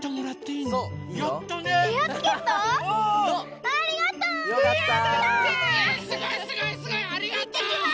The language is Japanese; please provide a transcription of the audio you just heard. いってきます！